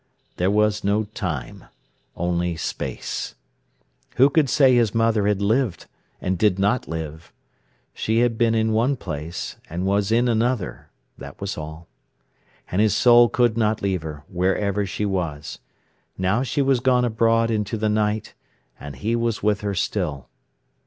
There was no Time, only Space. Who could say his mother had lived and did not live? She had been in one place, and was in another; that was all. And his soul could not leave her, wherever she was. Now she was gone abroad into the night, and he was with her still.